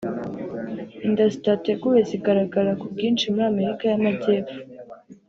inda zitateguwe zigaragara ku bwinshi muri Amerika y’Amajyepfo